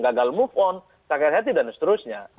gagal move on kakek hati dan seterusnya